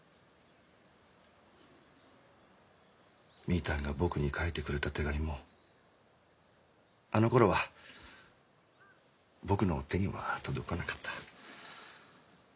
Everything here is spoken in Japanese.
みぃたんが僕に書いてくれた手紙もあの頃は僕の手には届かなかった。